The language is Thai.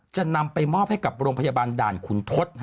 จะนำไปมอบให้กับโรงพยาบาลด่านขุนทศ